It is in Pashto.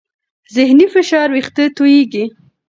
ذهني فشار وېښتې تویېږي.